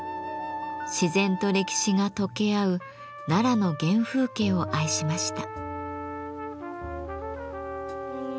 自然と歴史が溶け合う奈良の原風景を愛しました。